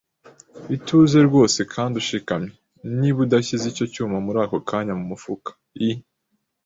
ituze rwose kandi ushikamye: “Niba udashyize icyo cyuma muri ako kanya mu mufuka, I.